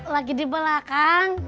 lagi di belakang